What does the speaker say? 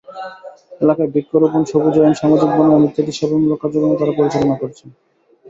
এলাকায় বৃক্ষরোপণ, সবুজায়ন, সামাজিক বনায়ন ইত্যাদি সেবামূলক কার্যক্রম তাঁরা পরিচালনা করছেন।